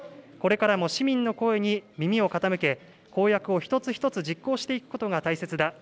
これからも市民の声に耳を傾け公約を一つ一つ実行していくことが大切だ。